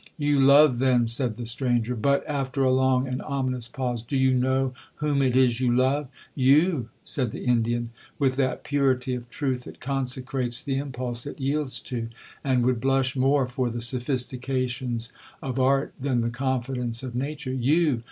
'You love, then,' said the stranger; 'but,' after a long and ominous pause, 'do you know whom it is you love?'—'You!' said the Indian, with that purity of truth that consecrates the impulse it yields to, and would blush more for the sophistications of art than the confidence of nature; 'you!